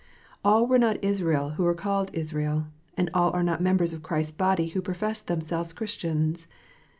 All were not Israel who were called Israel, and all are not members of Christ s body who profess themselves Christians.